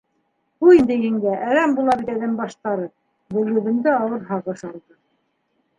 — Ҡуй инде, еңгә, әрәм була бит әҙәм баштары, — Гөлйөҙөмдө ауыр һағыш алды.